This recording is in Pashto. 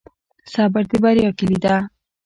صبر د بریا کیلي ده